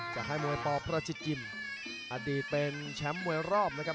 ค่ายมวยปประชิกิมอดีตเป็นแชมป์มวยรอบนะครับ